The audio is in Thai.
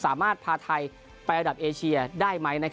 สามารถพาไทยไประดับเอเชียได้ไหม